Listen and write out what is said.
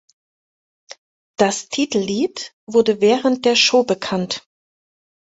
Das Titellied wurde während der Show bekannt.